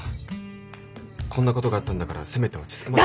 こんなことがあったんだからせめて落ち着くまで。